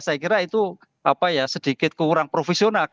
saya kira itu sedikit kurang profesional